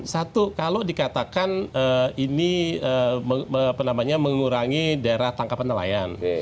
satu kalau dikatakan ini mengurangi daerah tangkap penelayan